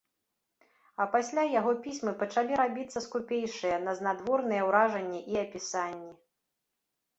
А пасля яго пісьмы пачалі рабіцца скупейшыя на знадворныя ўражанні і апісанні.